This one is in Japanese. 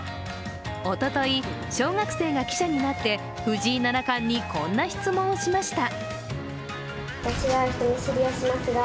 おととい、小学生が記者になって藤井七冠にこんな質問をしました。